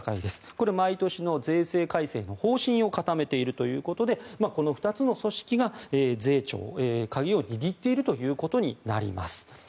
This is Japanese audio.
これ、毎年の税制改正の方針を固めているということでこの２つの組織が税調鍵を握っていることになります。